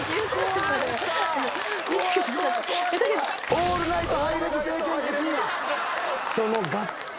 オールナイトハイレグや。